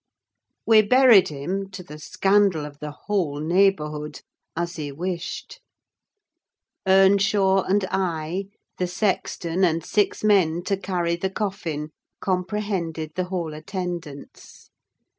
We buried him, to the scandal of the whole neighbourhood, as he wished. Earnshaw and I, the sexton, and six men to carry the coffin, comprehended the whole attendance.